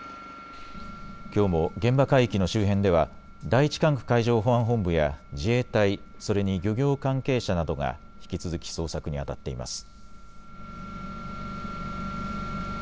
きょうも現場海域の周辺では第１管区海上保安本部や自衛隊、それに漁業関係者などが引き続き捜索にあたっています。